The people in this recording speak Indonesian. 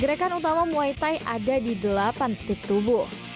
gerakan utama muay thai ada di delapan titik tubuh